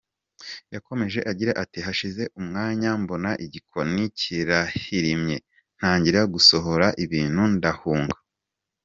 Yakomeje agira ati “Hashize umwanya mbona igikoni kirahirimye ntangira gusohora ibintu ndahunga.